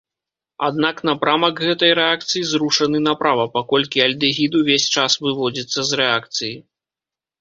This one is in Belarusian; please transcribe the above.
Аднак напрамак гэтай рэакцыі зрушаны направа, паколькі альдэгід увесь час выводзіцца з рэакцыі.